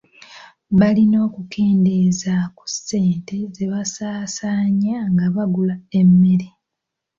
Balina okukendeeza ku ssente ze basaasaanya nga bagula emmere.